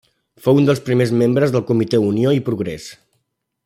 Fou un dels primers membres del Comitè Unió i Progrés.